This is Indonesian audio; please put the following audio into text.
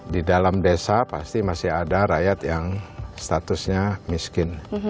di dalam desa pasti masih ada rakyat yang statusnya miskin